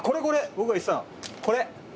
僕が言ってたのこれ。